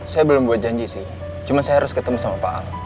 saya belum buat janji sih cuma saya harus ketemu sama pak ahok